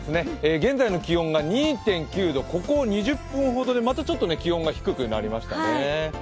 現在の気温が２．９度、ここ２０分ほどでちょっとまた気温が低くなりましたね。